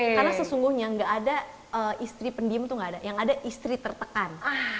karena sesungguhnya gak ada istri pendiem tuh gak ada yang ada istri tertekan